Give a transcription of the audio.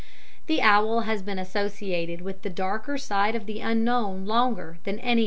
The owl has been associated with the darker side of the Unknown longer than any other bird.